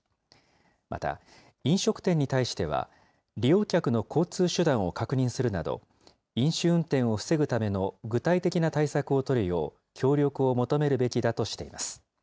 また、飲食店に対しては、利用客の交通手段を確認するなど、飲酒運転を防ぐための具体的な対策を取るよう協力を求めるべきだとしています。